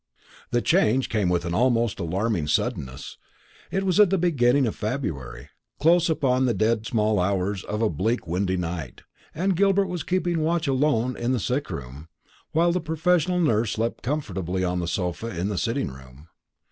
The change came with an almost alarming suddenness. It was at the beginning of February, close upon the dead small hours of a bleak windy night, and Gilbert was keeping watch alone in the sick room, while the professional nurse slept comfortably on the sofa in the sitting room.